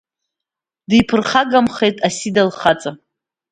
Диԥырхагамхеит Асида лхаҵа.